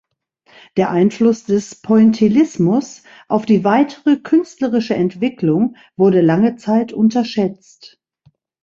Der Einfluss des Pointillismus auf die weitere künstlerische Entwicklung wurde lange Zeit unterschätzt.